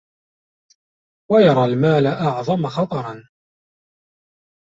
وَيَرَى الْمَالَ أَعْظَمَ خَطَرًا